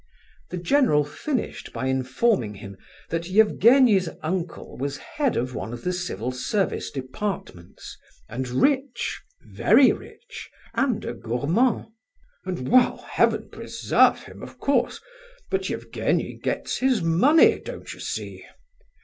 The general finished by informing him that Evgenie's uncle was head of one of the civil service departments, and rich, very rich, and a gourmand. "And, well, Heaven preserve him, of course—but Evgenie gets his money, don't you see?